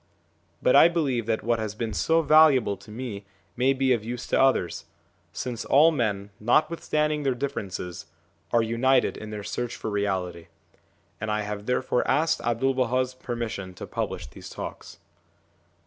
But I believe that what has been so valuable to me may be of use to others, since all men, notwithstanding their differences, are united in their search for reality; and I have therefore asked 'Abdul Baha's permission to publish these talks.